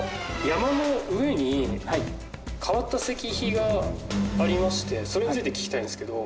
山の上に変わった石碑がありましてそれについて聞きたいんですけど。